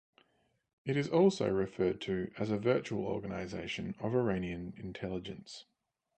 It is also referred to as a 'virtual organization' of Iranian intelligence.